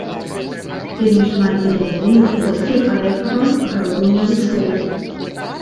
Вельмі шмат зеляніны, востры арэхава-гароднінавы соус.